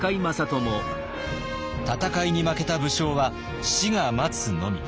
戦いに負けた武将は死が待つのみ。